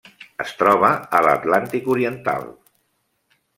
Es troba a l'Atlàntic oriental: